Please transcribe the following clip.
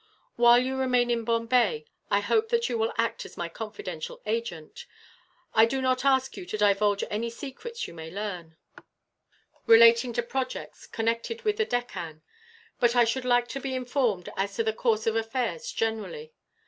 While you remain in Bombay, I hope that you will act as my confidential agent. I do not ask you to divulge any secrets you may learn, relating to projects connected with the Deccan; but I should like to be informed as to the course of affairs, generally.